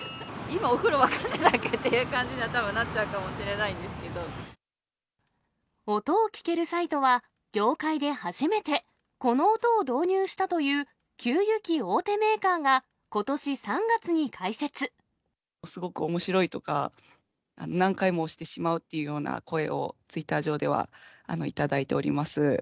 今、お風呂沸かしてたっけ？っていう感じにはたぶん、なっちゃうかも音を聞けるサイトは、業界で初めてこの音を導入したという給湯機大手メーカーが、すごくおもしろいとか、何回も押してしまうっていうような声をツイッター上では頂いております。